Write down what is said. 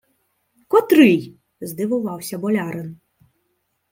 — Котрий? — здивувався болярин.